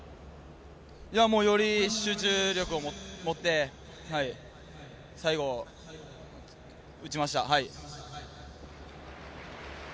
より集中力を持って最後、打ちました。